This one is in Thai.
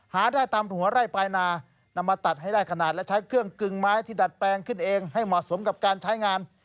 หาได้ตามหัวไร่ปลายนานำมาตัดให้ได้ขนาดและใช้เครื่องกึ่งไม้ที่ดัดแปลงขึ้นเองให้เหมาะสมกับการใช้งาน